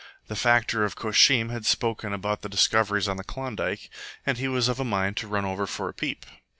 The factor of Koshim had spoken about the discoveries on the Klondike, and he was of a mind to run over for a peep.